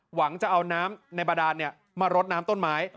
หวังจะเอาน้ำในบาดานมารดน้ำต้นไม้